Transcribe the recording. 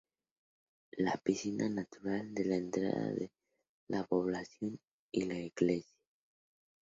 La piscina natural en la entrada de la población y la iglesia.